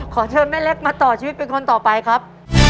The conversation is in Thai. ขอเชิญแม่เล็กมาต่อชีวิตเป็นคนต่อไปครับ